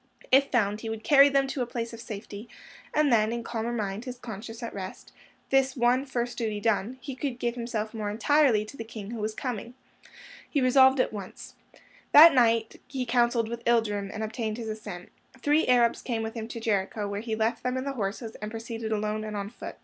If found, he would carry them to a place of safety, and then, in calmer mind, his conscience at rest, this one first duty done, he could give himself more entirely to the King Who Was Coming. He resolved at once. That night he counselled with Ilderim, and obtained his assent. Three Arabs came with him to Jericho, where he left them and the horses, and proceeded alone and on foot.